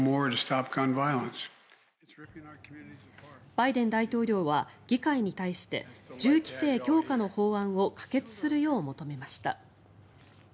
バイデン大統領は議会に対して銃規制強化の法案を可決するよう求めました。